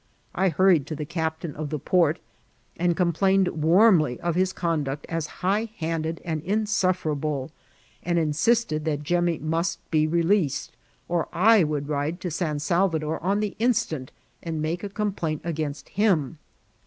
I hurried to the ciq[>tain of the port, and complained warmly of his conduct as high handed and insufferable, and insisted that Jemmy must ▲ COiriCTRTlfAN IK TROUBLX. S8T be released, at I would ride to San Salyador on th^ mstant and make a complaiat against him.